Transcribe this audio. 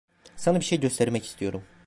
Sana bir şey göstermek istiyorum.